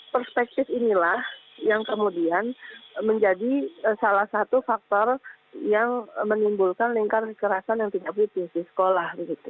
perspektif inilah yang kemudian menjadi salah satu faktor yang menimbulkan lingkaran kerasan yang tidak putus di sekolah